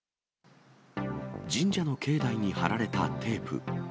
神社の境内に張られたテープ。